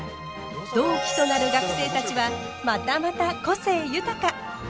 同期となる学生たちはまたまた個性豊か。